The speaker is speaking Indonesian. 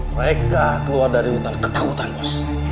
mereka keluar dari hutan ketahuan bos